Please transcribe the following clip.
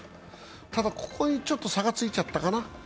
ただ、ここにちょっと差がついちゃったかな。